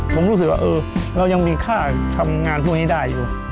ผมรู้สึกว่าเรายังมีค่าทำงานพวกนี้ได้อยู่